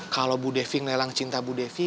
kalau bu devi ngelelang cinta bu devi